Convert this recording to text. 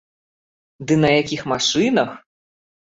Ды на якіх машынах!